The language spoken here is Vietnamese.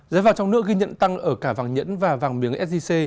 giá vàng trong nước ghi nhận tăng ở cả vàng nhẫn và vàng miếng sgc